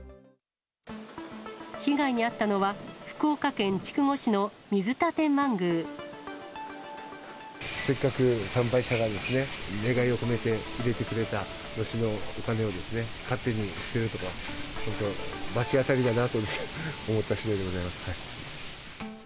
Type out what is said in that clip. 被害に遭ったのは、福岡県筑後市せっかく参拝者がですね、願いを込めて入れてくれたのしのお金をですね、勝手に捨てるとか、本当、罰当たりだなと思ったしだいでございます。